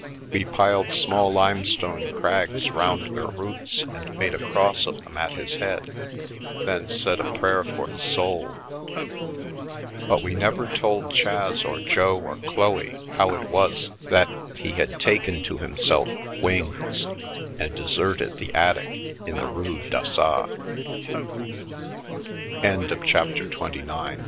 We piled small limestone crags round their roots and made a cross of them at his head; then said a prayer for his soul; but we never told Chas or Jo or Chloe how it was that he had taken to himself wings, and deserted the attic in the Rue d'Assas. CHAP